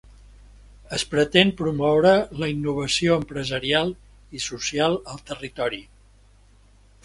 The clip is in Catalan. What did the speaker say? Es pretén promoure la innovació empresarial i social al territori.